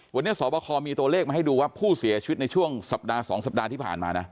วันนี้สอบคอมีตัวเลขมาให้ดูว่าผู้เสียชีวิตในช่วงสัปดาห์๒สัปดาห์ที่ผ่านมานะ